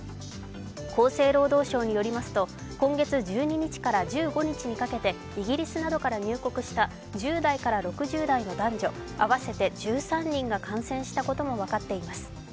厚生労働省によりますと、今月１２日から１５日にかけてイギリスなどから入国した１０代から６０代の男女合わせて１３人が感染したことも分かっています。